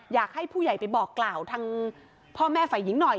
อยากให้ผู้ใหญ่ไปบอกกล่าวทางพ่อแม่ฝ่ายหญิงหน่อย